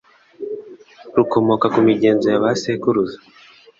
rukomoka ku migenzo ya ba sekuruza.